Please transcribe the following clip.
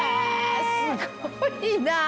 すごいなぁ。